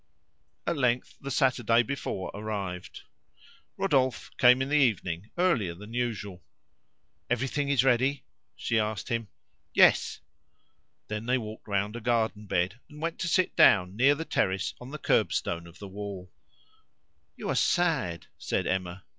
At length the Saturday before arrived. Rodolphe came in the evening earlier than usual. "Everything is ready?" she asked him. "Yes." Then they walked round a garden bed, and went to sit down near the terrace on the kerb stone of the wall. "You are sad," said Emma.